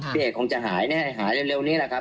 พี่เอกคงจะหายแน่หายเร็วนี้แหละครับ